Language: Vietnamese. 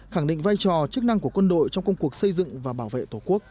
khẳng định vai trò chức năng của quân đội trong công cuộc xây dựng và bảo vệ tổ quốc